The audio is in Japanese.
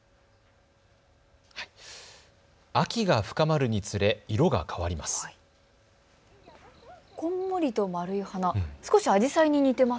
秋が深まるにつれ色が変わります。